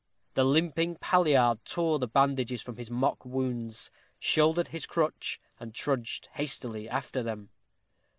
The limping palliard tore the bandages from his mock wounds, shouldered his crutch, and trudged hastily after them.